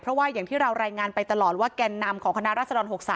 เพราะว่าอย่างที่เรารายงานไปตลอดว่าแก่นนำของคณะรัศดร๖๓